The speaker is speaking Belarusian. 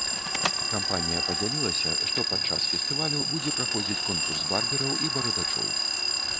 Кампанія падзялілася, што падчас фестывалю будзе праходзіць конкурс барбераў і барадачоў.